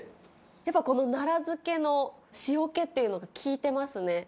やっぱこの奈良漬けの塩気っていうのが、効いてますね。